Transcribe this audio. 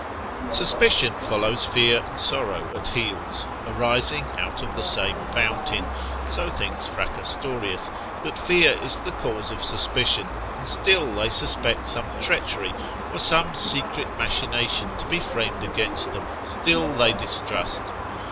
Suspicion follows fear and sorrow at heels, arising out of the same fountain, so thinks Fracastorius, that fear is the cause of suspicion, and still they suspect some treachery, or some secret machination to be framed against them, still they distrust.